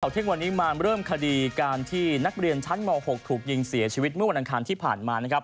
เทควันนี้มาเริ่มคดีการที่นักเรียนชั้นม๖ถูกยิงเสียชีวิตเมื่อวันทางที่ผ่านมา